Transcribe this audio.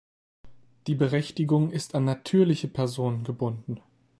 Die Berechtigung ist an natürliche Personen gebunden.